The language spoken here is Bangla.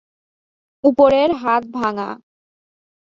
উপরের হাত ভাঙা।